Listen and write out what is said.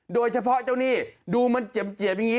โดยเฉพาะเจ้านี่ดูมันเจ็บเจียบอย่างนี้